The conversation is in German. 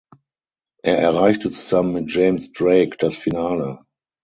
Er erreichte zusammen mit James Drake das Finale.